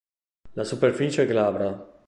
La superficie è glabra.